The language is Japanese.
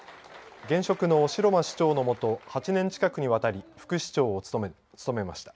現職の城間市長のもと８年近くにわたり副市長を務めました。